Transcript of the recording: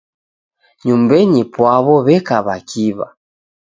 Nyumbenyi pwaw'o w'eka w'akiw'a.